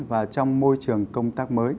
và trong môi trường công tác mới